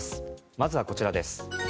まずはこちらです。